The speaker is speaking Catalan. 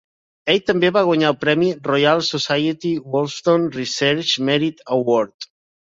Ell també va guanyar el premi Royal Society Wolfson Research Merit Award.